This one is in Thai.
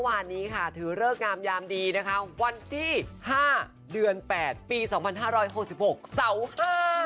วันนี้ถือเลิกงามยามดีวันที่๕เดือน๘ปี๒๕๖๖สาวเฮอร์